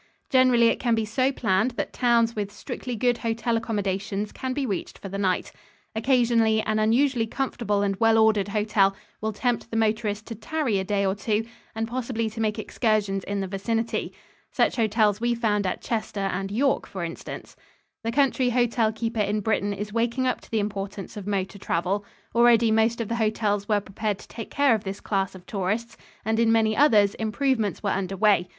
Generally it can be so planned that towns with strictly good hotel accommodations can be reached for the night. Occasionally an unusually comfortable and well ordered hotel will tempt the motorist to tarry a day or two and possibly to make excursions in the vicinity. Such hotels we found at Chester and York, for instance. The country hotel keeper in Britain is waking up to the importance of motor travel. Already most of the hotels were prepared to take care of this class of tourists, and in many others improvements were under way.